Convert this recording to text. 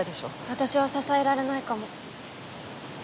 私は支えられないかも。